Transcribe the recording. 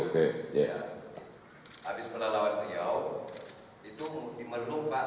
kita belum lagi ke jambang